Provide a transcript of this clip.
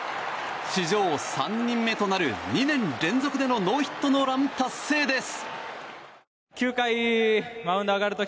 史上３人目となる２年連続でのノーヒットノーラン達成です。